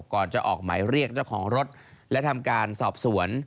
ก่อนจะออกหมายเรียกเจ้าของรถและทำการสอบสวน